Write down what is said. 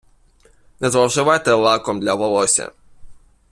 Не зловживайте лаком для волосся.